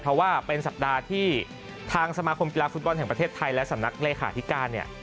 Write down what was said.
เพราะว่าเป็นสัปดาห์ที่ทางสมาคมกีฬาฟุตบอลแห่งประเทศไทยและสำนักเลขาธิการเนี่ย